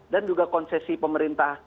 dan juga konsesi pemerintah